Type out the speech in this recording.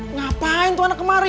ngapain tuh anak kemari